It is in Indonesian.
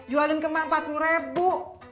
jualin ke mang empat puluh ribu